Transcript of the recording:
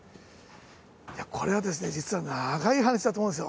これはですね、実は長い話だと思うんですよ。